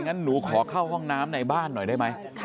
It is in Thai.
งั้นหนูขอเข้าห้องน้ำในบ้านหน่อยได้ไหม